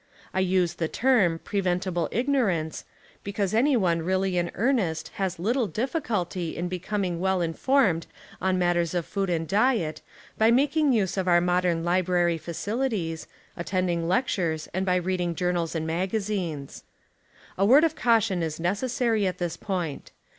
I use the term "preventable ignorance" because anyone really in earnest has little difficulty in becoming well informed on matters of food and diet by making use of our modern library facilities, attend ing lectures and by reading journals and magazines. A word of caution is necessary at this point.